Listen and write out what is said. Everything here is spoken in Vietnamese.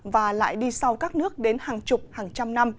và lại đi sau các nước đến hàng chục hàng trăm năm